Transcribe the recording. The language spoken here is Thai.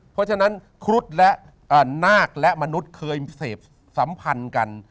เพราะฉะนั้นครุฑและนาคและมนุษย์เคยเสพสัมพันธ์กัน